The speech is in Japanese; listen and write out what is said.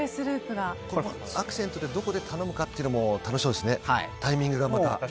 アクセントでどこで頼むかというのも楽しそうですね、タイミングが。